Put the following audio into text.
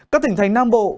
các tỉnh thành nam bộ